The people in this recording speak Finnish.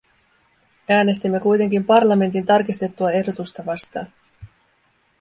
Äänestimme kuitenkin parlamentin tarkistettua ehdotusta vastaan.